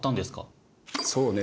そうね